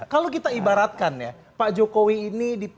kalau kita ibaratkan ya pak jokowi ini